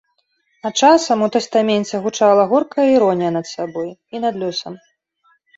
А часам у тастаменце гучала горкая іронія над сабой і над лёсам.